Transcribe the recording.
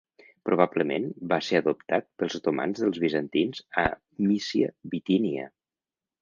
Probablement va ser adoptat pels otomans dels bizantins a Mísia-Bitínia.